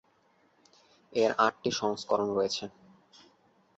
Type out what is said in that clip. এর আটটি সংস্করণ রয়েছে।